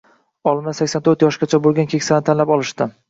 Olimlar sakson to`rtyoshgacha boʻlgan keksalarni tanlab olishdi.